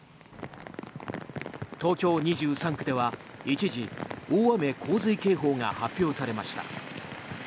東京２３区では一時大雨・洪水警報が発表されました。